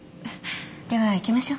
では行きましょう。